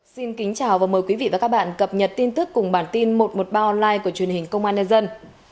xin kính chào và mời quý vị và các bạn cập nhật tin tức cùng bản tin một trăm một mươi ba online của truyền hình công an nhân dân